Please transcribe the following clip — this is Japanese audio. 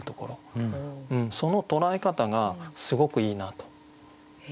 その捉え方がすごくいいなと。